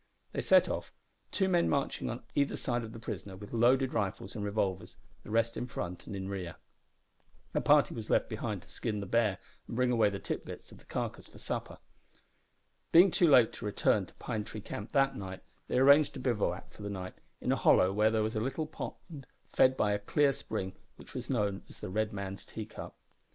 They set off two men marching on either side of the prisoner with loaded rifles and revolvers, the rest in front and in rear. A party was left behind to skin the bear and bring away the tit bits of the carcass for supper. Being too late to return to Pine Tree Camp that night, they arranged to bivouac for the night in a hollow where there was a little pond fed by a clear spring which was known as the Red Man's Teacup.